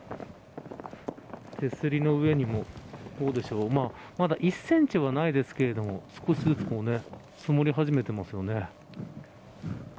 手すりの上にもまだ１センチはないですけれども少しずつ積もり始めてますよね。